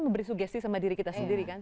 memberi sugesti sama diri kita sendiri kan